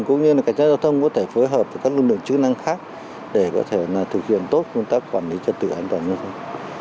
cũng như là cảnh sát giao thông có thể phối hợp với các lực lượng chức năng khác để có thể thực hiện tốt công tác quản lý trật tự an toàn giao thông